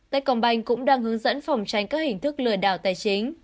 tây còng banh cũng đang hướng dẫn phòng tranh các hình thức lừa đảo tài chính